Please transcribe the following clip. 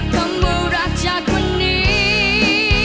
ก็เมื่อรักจากคนนี้